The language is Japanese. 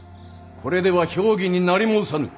これでは評議になり申さぬ。